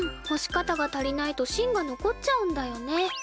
干し方が足りないとしんが残っちゃうんだよね。